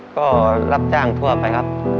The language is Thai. ก็รับจ้างทั่วไปครับ